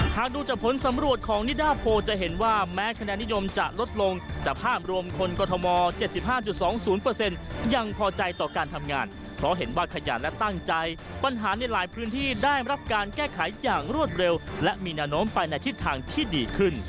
หากดูจากผลสำรวจของนิดาโพจะเห็นว่าแม้คะแนนนิยมจะลดลงแต่ภาพรวมคนกรทม๗๕๒๐ยังพอใจต่อการทำงานเพราะเห็นว่าขยันและตั้งใจปัญหาในหลายพื้นที่ได้รับการแก้ไขอย่างรวดเร็วและมีแนวโน้มไปในทิศทางที่ดีขึ้น